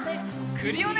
クリオネ！